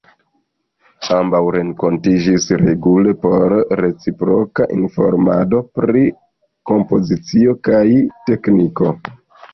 Ambaŭ renkontiĝis regule por reciproka informado pri kompozicio kaj tekniko.